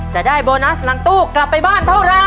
จะได้โบนัสหลังตู้กลับไปบ้านเท่าไร